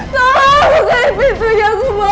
tolong buka pintunya kumur